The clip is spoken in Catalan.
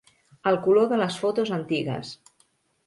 El color de les fotos antigues.